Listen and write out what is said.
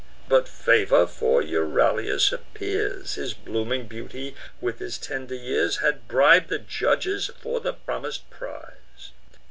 But favour for Euryalus appears; His blooming beauty, with his tender tears, Had brib'd the judges for the promis'd prize.